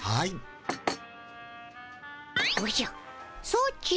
ソチ。